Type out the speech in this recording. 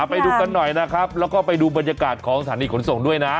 ไปดูกันหน่อยนะครับแล้วก็ไปดูบรรยากาศของสถานีขนส่งด้วยนะ